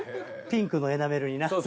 ピンクのエナメルにな。